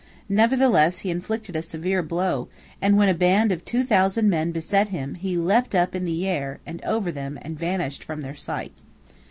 Nevertheless he inflicted a severe blow, and when a band of two thousand men beset him, he leapt up in the air and over them and vanished from their sight.